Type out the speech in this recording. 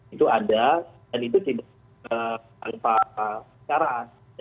itu ada dan itu tidak tanpa syarat